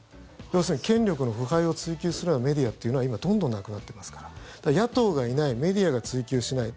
要するに権力の腐敗を追及するようなメディアというのは今、どんどんなくなってますから野党がいないメディアが追及しない。